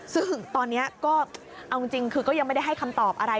ซึ่งตอนนี้ก็เอาจริงคือก็ยังไม่ได้ให้คำตอบอะไร